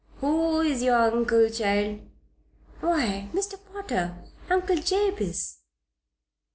"Who's your uncle, child?" "Why, Mr. Potter Uncle Jabez."